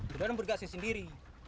bukan bergasi sendiri